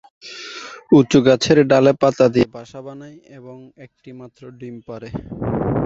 উঁচু গাছের ডালে পাতা দিয়ে বাসা বানায় এবং একটি মাত্র ডিম পাড়ে।